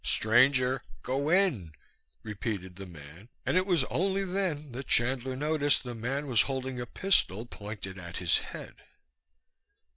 "Stranger, go in," repeated the man, and it was only then that Chandler noticed the man was holding a pistol, pointed at his head.